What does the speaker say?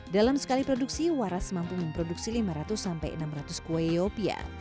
dalam sekali produksi waras mampu memproduksi lima ratus sampai enam ratus kue yopia